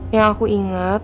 yang aku inget